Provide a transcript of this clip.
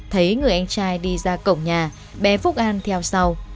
thấy người anh trai đi ra cổng nhà bé phúc an theo sau